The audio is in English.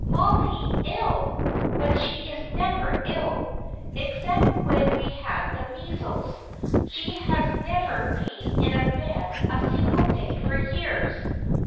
"Mollie ill! But she is never ill. Except when we had the measles, she has never been in bed a single day for years.